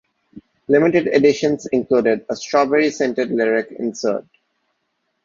Limited editions included a strawberry-scented lyric insert.